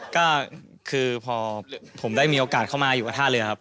ก็คือพอผมได้มีโอกาสเข้ามาอยู่กับท่าเรือครับ